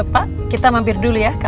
pak kita mampir dulu ya